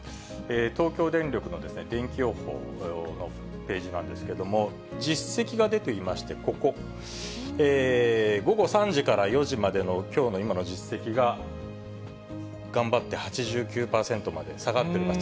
東京電力のでんき予報のページなんですけれども、実績が出ていまして、ここ、午後３時から４時までのきょうの今の実績が、頑張って８９％まで下がっています。